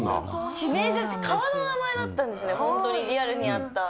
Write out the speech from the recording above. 地名じゃなくて川の名前だったんですね、本当にリアルにあった。